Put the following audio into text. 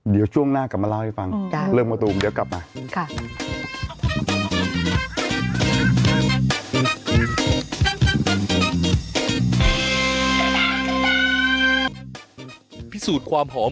เดี๋ยวช่วงหน้ากลับมาเล่าให้ฟังเรื่องมะตูมเดี๋ยวกลับมา